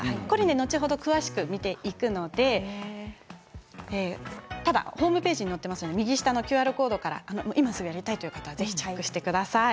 後ほど詳しく見ていくのでただホームページには載っていますので右下のＱＲコードから今すぐやりたいという方はチェックしてください。